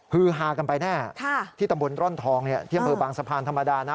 พื้นฮากันไปแน่ที่ตำบลร่อนทองเนี่ยเที่ยวเมืองบางสะพานธรรมดานะ